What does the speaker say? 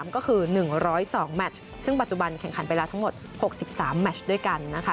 ก็คือ๑๐๒แมชซึ่งปัจจุบันแข่งขันไปแล้วทั้งหมด๖๓แมชด้วยกันนะคะ